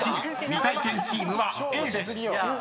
未体験チームはＡです］